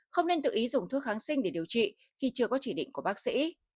không nên tự ý dùng thuốc kháng sinh để điều trị khi chưa có chỉ định của bác sĩ